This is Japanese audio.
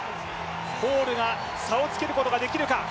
ホールが差を付けることができるか。